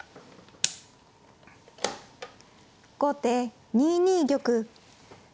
後手２二玉。